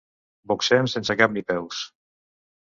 Boxem sense cap ni peus.